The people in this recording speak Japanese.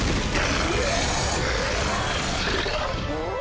お！